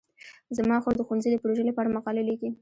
زما خور د ښوونځي د پروژې لپاره مقاله لیکي.